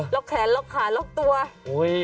ล็อคแขนล็อคขาล็อคตัว